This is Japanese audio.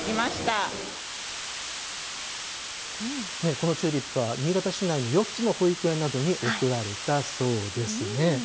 このチューリップは、新潟市内の４つの保育園などに贈られたそうですね。